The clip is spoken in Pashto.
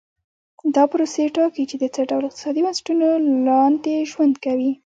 دا پروسې ټاکي چې د څه ډول اقتصادي بنسټونو لاندې ژوند کوي.